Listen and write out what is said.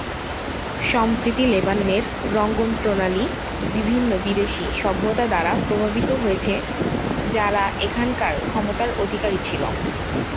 সম্প্রতি লেবাননের রন্ধনপ্রণালী বিভিন্ন বিদেশী সভ্যতা দ্বারা প্রভাবিত হয়েছে যারা এখানকার ক্ষমতার অধিকারী ছিল।